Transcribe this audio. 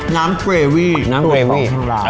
น้ำเกรวี่ตัวของสุดท้าย